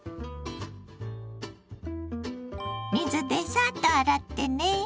水でサッと洗ってね。